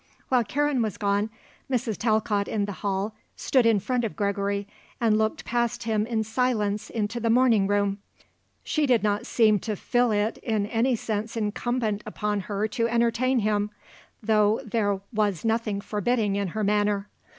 While Karen was gone, Mrs. Talcott in the hall stood in front of Gregory and looked past him in silence into the morning room. She did not seem to feel it in any sense incumbent upon her to entertain him, though there was nothing forbidding in her manner.